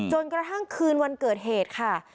จนกระทั่งคืนวันเกิดเหตุค่ะ